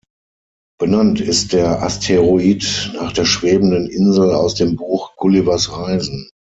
Benannt ist der Asteroid nach der schwebenden Insel aus dem Buch "Gullivers Reisen.